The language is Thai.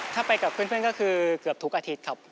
ถ้าไปกับเพื่อนก็คือเกือบทุกอาทิตย์ครับ